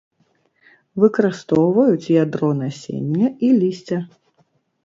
Выкарыстоўваюць ядро насення і лісця.